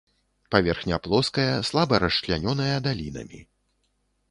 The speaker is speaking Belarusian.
Паверхня плоская, слаба расчлянёная далінамі.